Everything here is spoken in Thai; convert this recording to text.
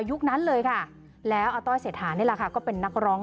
นั้นเลยค่ะแล้วอาต้อยเศรษฐานี่แหละค่ะก็เป็นนักร้อง